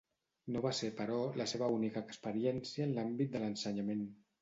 No va ser, però, la seva única experiència en l'àmbit de l'ensenyament.